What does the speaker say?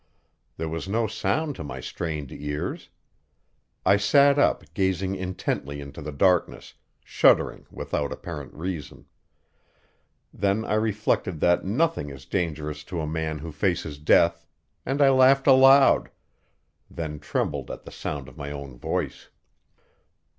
There was no sound to my strained ears. I sat up, gazing intently into the darkness, shuddering without apparent reason. Then I reflected that nothing is dangerous to a man who faces death, and I laughed aloud then trembled at the sound of my own voice.